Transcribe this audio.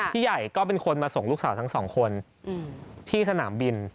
ใหญ่ก็เป็นคนมาส่งลูกสาวทั้งสองคนที่สนามบิน